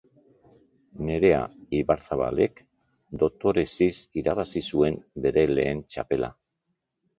Nerea Ibarzabalek dotoreziz irabazi zuen bere lehen txapela.